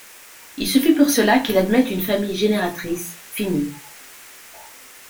Il suffit pour cela qu'il admette une famille génératrice finie.